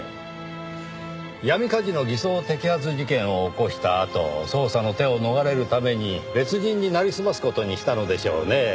闇カジノ偽装摘発事件を起こしたあと捜査の手を逃れるために別人になりすます事にしたのでしょうねぇ。